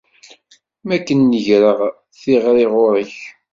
Mi akken i n-greɣ tiɣri ɣur-k.